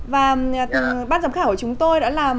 và bác giám khảo của chúng tôi đó là